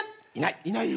いない。